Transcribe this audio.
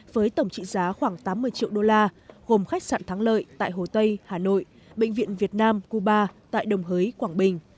với tổng trị giá khoảng tám mươi triệu đô la gồm khách sạn thắng lợi tại hồ tây hà nội bệnh viện việt nam cuba tại đồng hới quảng bình